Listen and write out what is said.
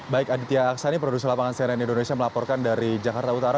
baik aditya aksani produser lapangan cnn indonesia melaporkan dari jakarta utara